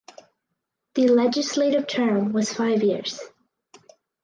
The legislative term was five years.